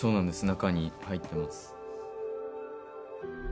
中に入ってます。